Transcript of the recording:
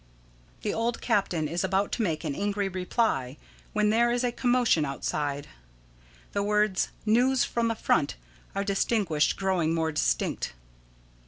[_The old captain is about to make an angry reply when there is a commotion outside. The words "News from the front" are distinguished, growing more distinct.